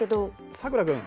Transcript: さくら君。